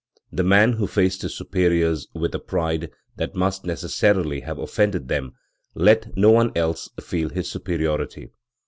The man who faced his superiors with a pride that must necessarily have offended them, let no one else feel his superiority.